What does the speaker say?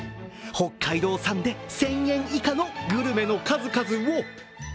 北海道産で１０００円以下のグルメの数々を。